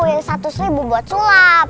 yang satu seribu buat slob